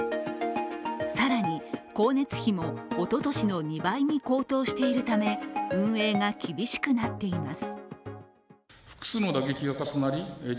更に、光熱費もおととしの２倍に高騰しているため運営が厳しくなっています。